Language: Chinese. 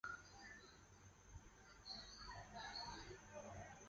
当时的藩厅为会津若松城。